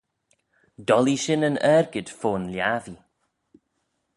Dollee shin yn argid fo'n lhiabbee.